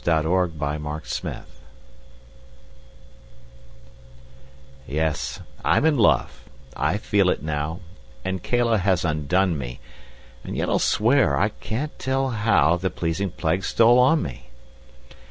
Y Z The Je Ne Scai Quoi YES, I'm in love, I feel it now, And Cælia has undone me; And yet I'll swear I can't tell how The pleasing plague stole on me.